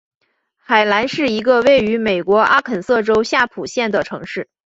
海兰是一个位于美国阿肯色州夏普县的城市。